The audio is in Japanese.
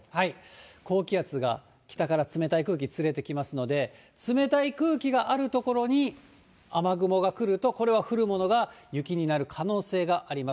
高気圧が北から冷たい空気、連れてきますので、冷たい空気がある所に、雨雲が来ると、これは降るものが雪になる可能性があります。